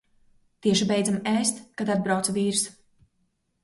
Tieši beidzam ēst, kad atbrauca vīrs.